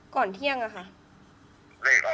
คุณพ่อได้จดหมายมาที่บ้าน